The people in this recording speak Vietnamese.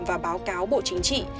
và báo cáo bộ chính trị